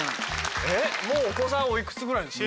えっもうお子さんおいくつぐらい？